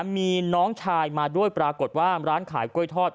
มีน้องชายมาด้วยปรากฏว่าร้านขายกล้วยทอด